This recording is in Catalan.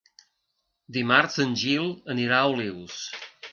Dimarts en Gil anirà a Olius.